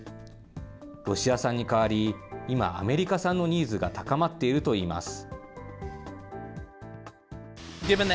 ロシア産に代わり、今、アメリカ産のニーズが高まっているといいます。